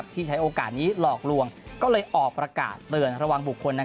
ใช้โอกาสนี้หลอกลวงก็เลยออกประกาศเตือนระวังบุคคล